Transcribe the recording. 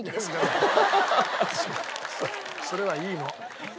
それはいいの。